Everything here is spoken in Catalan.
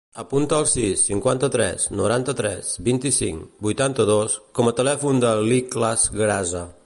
Apunta el sis, cinquanta-tres, noranta-tres, vint-i-cinc, vuitanta-dos com a telèfon de l'Ikhlas Grasa.